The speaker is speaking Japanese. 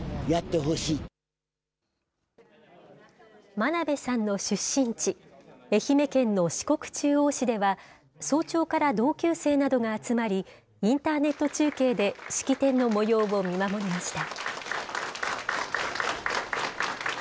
真鍋さんの出身地、愛媛県の四国中央市では、早朝から同級生などが集まり、インターネット中継で式典のもようを見守りました。